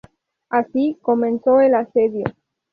Así comenzó el asedio.